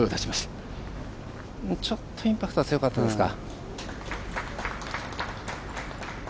ちょっとインパクトが強かったですか。